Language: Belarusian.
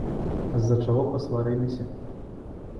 А з-за чаго пасварыліся?